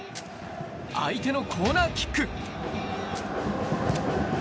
相手のコーナーキック。